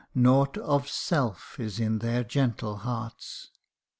nought of self is in their gentle hearts.